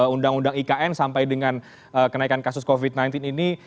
undang undang ikn sampai dengan kenaikan kasus covid sembilan belas ini